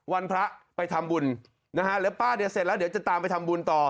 วันพระไปทำบุญนะฮะเดี๋ยวป้าเดี๋ยวเสร็จแล้วเดี๋ยวจะตามไปทำบุญต่อ